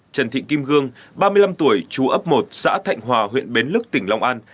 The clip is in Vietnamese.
trần thị kim gương ba mươi năm tuổi chú ấp một xã thạnh hòa huyện bến lức tỉnh long an